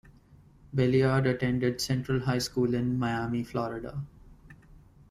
Belliard attended Central High School in Miami, Florida.